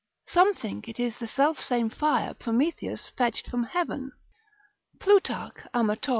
Some think it is the self same fire Prometheus fetched from heaven. Plutarch amator.